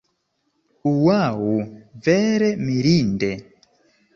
Ŭaŭ, vere mirinde!